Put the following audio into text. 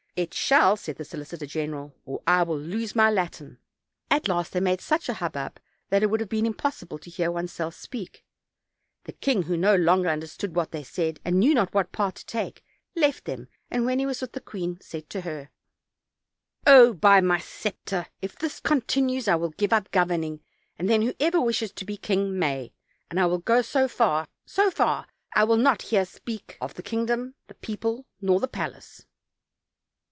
"It shall,"said the solicitor general, "or I will lose my Latin." At last they made such a hubbub that it would have been impossible to hear one's self speak. The king, who no longer understood what they said and knew not what part to take, left them, and when Ije was with the queen, said to her: "Oh! by my scepter, if this continues I will give up governing, and then whoever wishes to be king may; and I will go so far, so far, that I will not hear speak of the kingdom, the people, nor the palace."